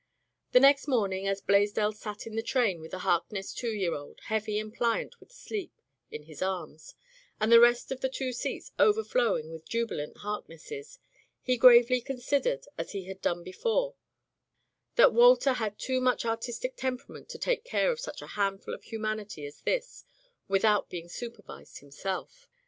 The next morning as Blaisdell sat in the train with the Harkness two year old, heavy and pliant with sleep, in his arms, and the rest of the two seats overflowing with jubi lant Harknesses, he gravely considered, as he had done before, that Walter had too much artistic temperament to take care of such a handful of humanity as this without being supervised himself.